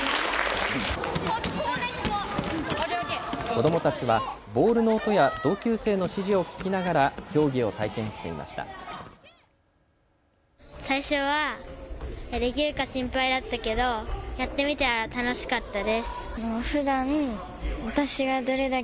子どもたちはボールの音や同級生の指示を聞きながら競技を体験していました。